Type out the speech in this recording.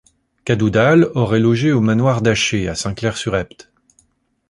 Cadoudal aurait logé au manoir d'Aché à Saint-Clair-sur-Epte.